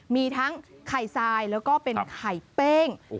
มีทั้งไข่ทรายแล้วก็เป็นไข่เป้ง